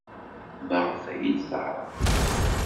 Maɣef ay iyi-d-teɣramt?